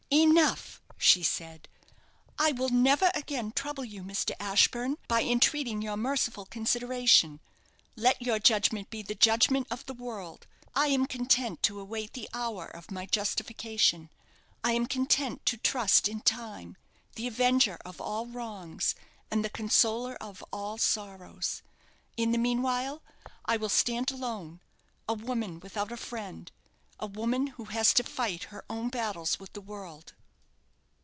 "Enough!" she said. "I will never again trouble you, Mr. Ashburne, by entreating your merciful consideration. Let your judgment be the judgment of the world. I am content to await the hour of my justification; I am content to trust in Time, the avenger of all wrongs, and the consoler of all sorrows. In the meanwhile, I will stand alone a woman without a friend, a woman who has to fight her own battles with the world."